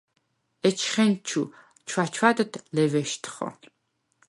ეჩხენჩუ ჩვაჩვადდ ლევეშთხო.